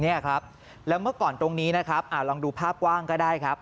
เนี่ยครับแล้วเมื่อก่อนตรงนี้นะครับลองดูภาพกว้างก็ได้ครับ